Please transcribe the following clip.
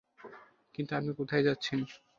কিন্তু আপনি কোথায় যাচ্ছেন?